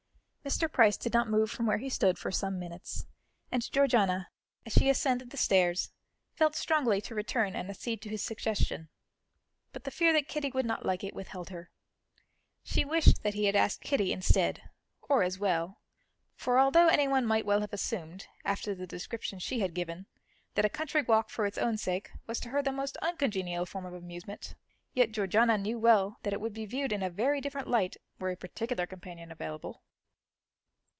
Mr. Price did not move from where he stood for some minutes, and Georgiana, as she ascended the stairs, felt strongly to return and accede to his suggestion, but the fear that Kitty would not like it withheld her. She wished that he had asked Kitty instead, or as well, for although anyone might well have assumed after the descriptions she had given that a country walk, for its own sake, was to her the most uncongenial form of amusement, yet Georgiana knew well that it would be viewed in a very different light were a particular companion available.